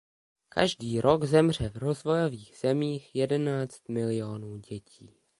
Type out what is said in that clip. Každý rok zemře v rozvojových zemích jedenáct milionů dětí.